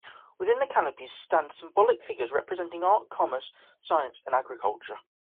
Within the canopies stand symbolic figures representing art, commerce, science and agriculture.